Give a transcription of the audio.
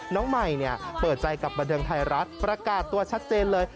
น้องใหม่เปิดใจกับบันเทิงไทยรัฐประกาศตัวชัดเจนเลย